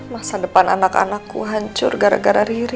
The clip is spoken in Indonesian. masa depan anak anakku hancur gara gara riri